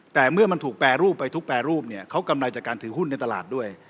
แต่เมื่อมันถูกแปรรูปไปทุกแปรรูปเนี่ยเขากำไรจากการถือหุ้นในตลาดด้วย